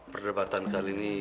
perdebatan kali ini